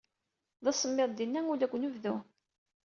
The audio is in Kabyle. D asemmiḍ dinna ula deg unebdu.